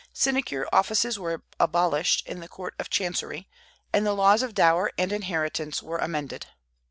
Sinecure offices were abolished in the Court of Chancery, and the laws of dower and inheritance were amended.